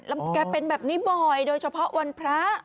แล้วแกเป็นแบบนี้บ่อยโดยเฉพาะวันพระ